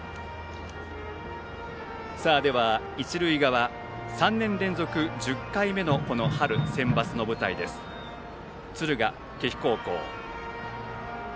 では、一塁側３年連続１０回目の春センバツ敦賀気比高校。